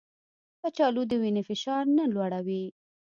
کچالو د وینې فشار نه لوړوي